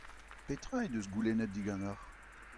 Petra he deus goulennet diganeoc'h ?